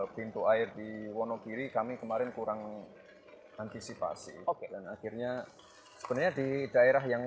pintu air di wonogiri kami kemarin kurang antisipasi dan akhirnya sebenarnya di daerah yang